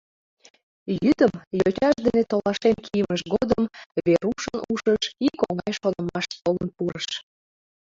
Йӱдым, йочаж дене толашен кийымыж годым, Верушын ушыш ик оҥай шонымаш толын пурыш.